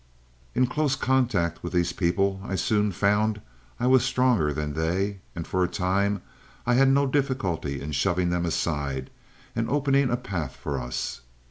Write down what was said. "In close contact with these people I soon found I was stronger than they, and for a time I had no difficulty in shoving them aside and opening a path for us.